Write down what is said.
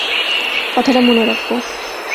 কথাটা মনে রাখবো।